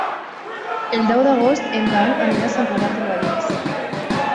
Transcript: El deu d'agost en Dan anirà a Sant Cugat del Vallès.